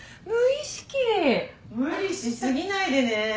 無理し過ぎないでね。